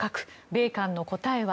米韓の答えは？